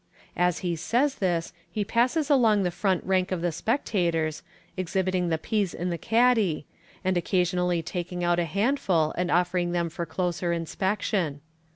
As he says this, he passes along the front rank of the spec tators, exhibiting the peas in the caddy, and occasionally taking out a handful, and offering them for closer inspection.